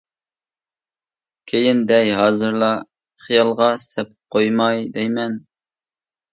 كېيىن دەي ھازىرلا خىيالغا سەپ قويماي دەيمەن.